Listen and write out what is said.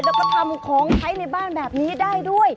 แล้วก็ทำของใช้ในบ้านแบบนี้ได้ด้วย